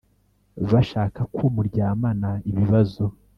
Bashaka Ko Muryamana Ibibazo